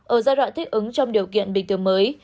ở giai đoạn thích ứng trong điều kiện bình thường mới